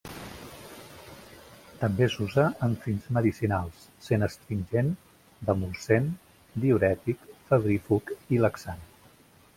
També s'usa amb fins medicinals, sent astringent, demulcent, diürètic, febrífug i laxant.